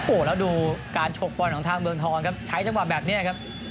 โอ้โหแล้วดูการฉกบอลของทางเมืองทองครับใช้จังหวะแบบนี้ครับ